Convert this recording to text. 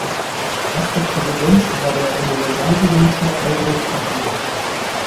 Erster Präsident war der Universalgelehrte Albrecht von Haller.